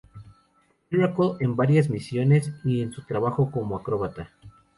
Miracle en varias misiones y en su trabajo como acróbata.